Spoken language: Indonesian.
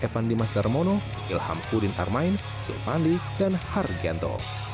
evan dimas darmono ilham udin armain silvandi dan har ganto